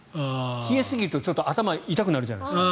冷えすぎるとちょっと頭が痛くなるじゃないですか。